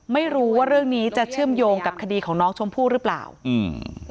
ไม่รู้ว่าเรื่องนี้จะเชื่อมโยงกับคดีของน้องชมพู่หรือเปล่าอืม